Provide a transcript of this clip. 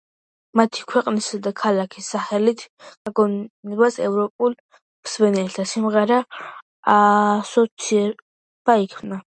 მათი ქვეყნისა და ქალაქის სახელის გაგონებისას, ევროპელ მსმენელს სიმღერის ასოციაცია ექნება.